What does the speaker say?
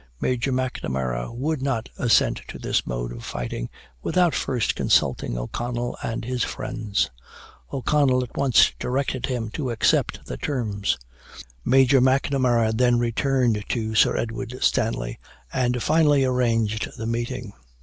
Major M'Namara would not assent to this mode of fighting, without first consulting O'Connell and his friends. O'Connell at once directed him to accept the terms. Major M'Namara then returned to Sir Edward Stanley, and finally arranged the meeting.